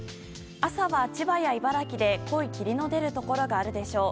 朝は千葉や茨城で濃い霧の出るところがあるでしょう。